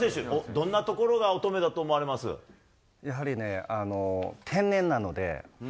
どんなところが乙女だと思われまやはりね、天然なので。